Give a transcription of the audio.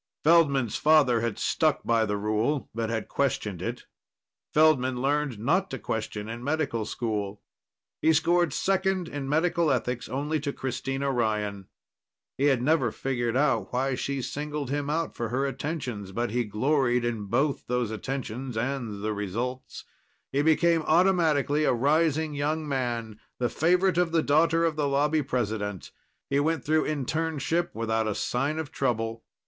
Feldman's father had stuck by the rule but had questioned it. Feldman learned not to question in medical school. He scored second in Medical Ethics only to Christina Ryan. He had never figured why she singled him out for her attentions, but he gloried in both those attentions and the results. He became automatically a rising young man, the favorite of the daughter of the Lobby president. He went through internship without a sign of trouble.